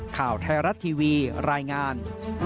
ข่าวไทยรัฐทีวีรายงาน